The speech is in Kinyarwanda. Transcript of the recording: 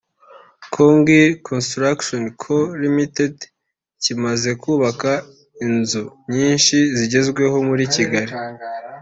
Dongil Construction Co Ltd kimaze kubaka inzu nyinshi zigezweho muri Kigali